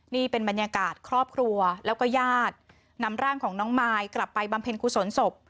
นี่เป็นบรรยากาศครอบครัวแล้วก็ญาตินำร่างของน้องมายกลับไปบำเพ็ญกุศลศพ